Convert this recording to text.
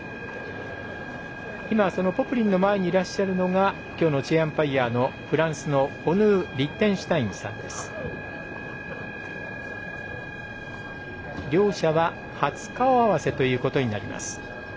ポプリンの前にいらっしゃるのがきょうのチェアアンパイアのフランスのホヌー・リッテンシュタインさんです。両者は初顔合わせということになります。